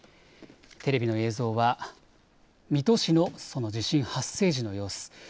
テレビの映像は水戸市のその地震発生時の様子。